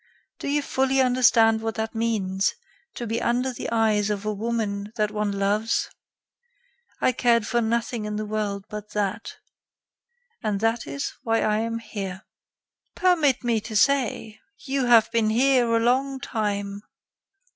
Do you fully understand what that means: to be under the eyes of a woman that one loves? I cared for nothing in the world but that. And that is why I am here." "Permit me to say: you have been here a long time."